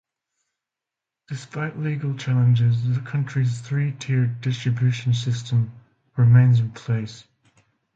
Despite legal challenges, the country's three-tiered distribution system remains in place.